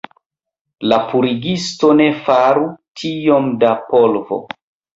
La purigisto ne faru tiom da polvo!